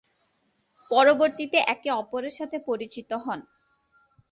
পরবর্তীতে একে অপরের সাথে পরিচিত হন।